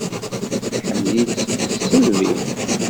Iḥemmel-itt s tisselbi.